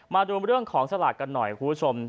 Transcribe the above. มาดูเรื่องของสลากกันหน่อยคุณผู้ชม